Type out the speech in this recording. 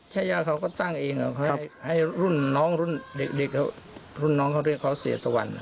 ชายาเขาก็ตั้งเองให้รุ่นน้องรุ่นเด็กรุ่นน้องเขาเรียกเขาเสียตะวัน